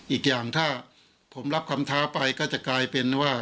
อีกอย่างถ้าผมรับคำท้าไปก็จะกลายเป็นว่า